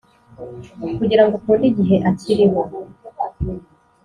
kugirango ukunde igihe akiriho,